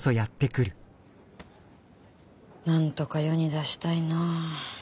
なんとか世に出したいな。